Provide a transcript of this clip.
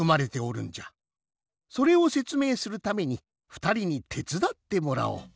それをせつめいするためにふたりにてつだってもらおう。